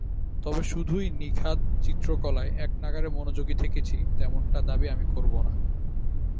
তবে শুধুই নিখাদ চিত্রকলায় একনাগাড়ে মনোযোগী থেকেছি তেমনটা দাবি আমি করব না।